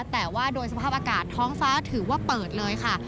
แต่ว่าโดยสภาพอากาศท้องฟ้าถือว่าเปิดเลยค่ะ